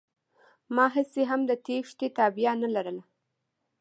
ما هسې هم د تېښتې تابيا نه لرله.